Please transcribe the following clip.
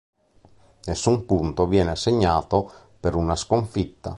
Nessun punto viene assegnato per una sconfitta.